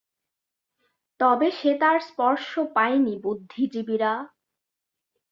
তবে সে তার স্পর্শ পাইনি বুদ্ধিজীবীরা!